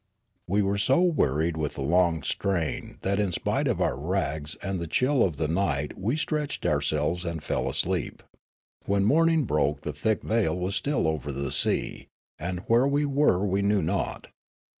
We were so wearied with the long strain that in spite The Midnight Ascent and FHght 189 of our rags and the chill of the night we stretched our selves and fell asleep. When morning broke the thick veil was still over the sea, and where we were we knew not.